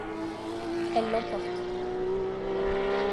Elle l'emporte.